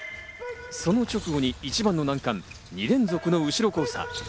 そのあとに一番の難関、２連続の後ろ交差。